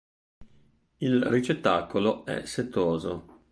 Il ricettacolo è setoso.